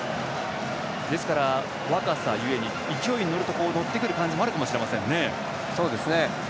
ですから、若さゆえに勢いに乗ると乗ってくる感じがあるかもしれませんね。